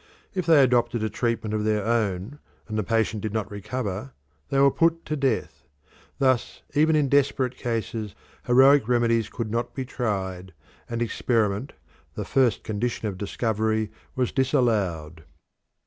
If they adopted a treatment of their own and the patient did not recover, they were put to death. Thus even in desperate cases heroic remedies could not be tried, and experiment, the first condition of discovery, was disallowed.